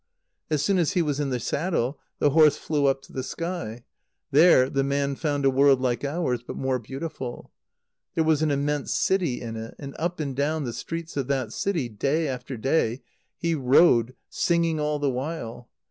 As soon as he was in the saddle, the horse flew up to the sky. There the man found a world like ours, but more beautiful. There was an immense city in it; and up and down the streets of that city, day after day, he rode, singing all the while.